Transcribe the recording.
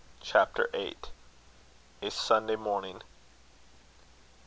CHAPTER VIII. A SUNDAY MORNING.